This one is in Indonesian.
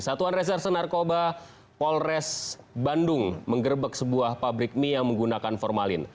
satuan reserse narkoba polres bandung mengerbek sebuah pabrik mie yang menggunakan formalin